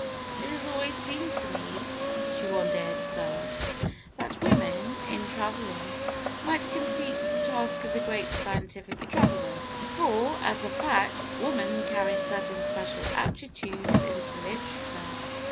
"It has always seemed to me," she one day observed, "that women, in travelling, might complete the task of the most scientific travellers; for, as a fact, woman carries certain special aptitudes into literature.